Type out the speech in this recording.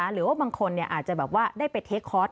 หรือว่าบางคนอาจจะแบบว่าได้ไปเทคคอร์ส